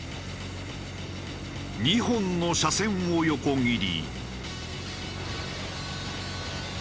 ２本の車線を横切り。